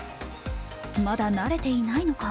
まだ慣れていないのか？